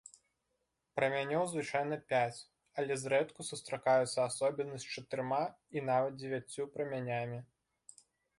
Прамянёў звычайна пяць, але зрэдку сустракаюцца асобіны з чатырма і нават дзевяццю прамянямі.